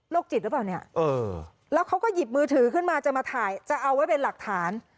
แล้วเขาก็หยิบมือถือขึ้นมาจะมาถ่ายจะเอาไว้เป็นหลักฐาน